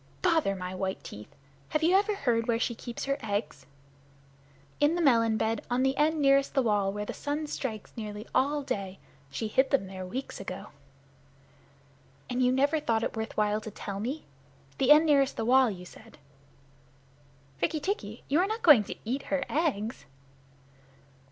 "Bother my white teeth! Have you ever heard where she keeps her eggs?" "In the melon bed, on the end nearest the wall, where the sun strikes nearly all day. She hid them there weeks ago." "And you never thought it worth while to tell me? The end nearest the wall, you said?" "Rikki tikki, you are not going to eat her eggs?"